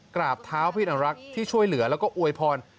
กราบเท้าพี่นรักษ์ที่ช่วยเหลือแล้วก็อวยพร